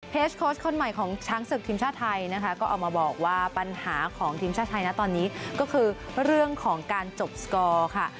โค้ชคนใหม่ของช้างศึกทีมชาติไทยนะคะก็เอามาบอกว่าปัญหาของทีมชาติไทยนะตอนนี้ก็คือเรื่องของการจบสกอร์ค่ะ